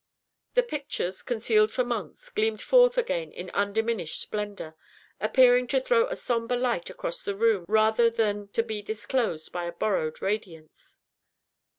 The pictures, concealed for months, gleamed forth again in undiminished splendor, appearing to throw a sombre light across the room rather than to be disclosed by a borrowed radiance.